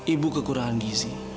ibu kekurangan gizi